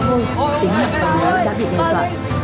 tính nhận là đã bị gây sợ